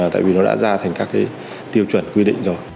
tại vì nó đã ra thành các cái tiêu chuẩn quy định rồi